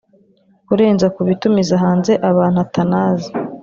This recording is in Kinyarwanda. kurenza ku bitumiza hanze ahantu atanazi